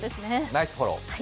ナイスフォロー。